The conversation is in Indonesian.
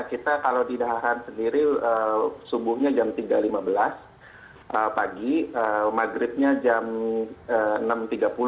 kita kalau di daharan sendiri subuhnya jam tiga lima belas pagi maghribnya jam enam tiga puluh